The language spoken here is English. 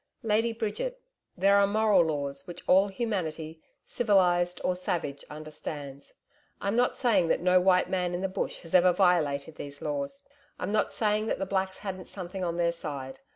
'Lady Bridget, there are moral laws, which all humanity civilised or savage understands. I'm not saying that no white man in the Bush has ever violated these laws, I'm not saying that the Blacks hadn't something on their side.